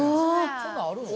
こんなんあるの？